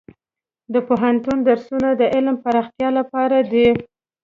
د پوهنتون درسونه د علم پراختیا لپاره دي.